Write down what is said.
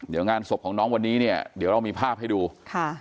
เดี๋ยวงานศพของน้องวันนี้เนี่ยเดี๋ยวเรามีภาพให้ดูค่ะ